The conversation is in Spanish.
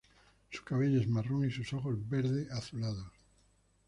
Su cabello es marrón y sus ojos verde-azulados.